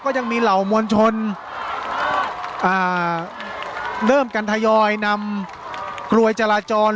ก็ยังมีเหล่ามวลชนอ่าเริ่มกันทยอยนำกลวยจราจร